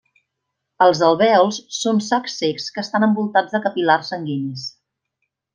Els alvèols són sacs cecs que estan envoltats de capil·lars sanguinis.